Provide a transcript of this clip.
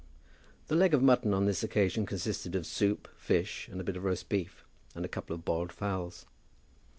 The leg of mutton on this occasion consisted of soup, fish, and a bit of roast beef, and a couple of boiled fowls.